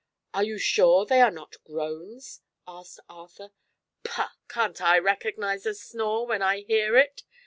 "Are you sure they are not groans?" asked Arthur. "Pah! Can't I recognize a snore when I hear it?